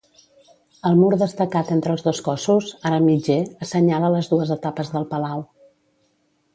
El mur destacat entre els dos cossos, ara mitger, assenyala les dues etapes del palau.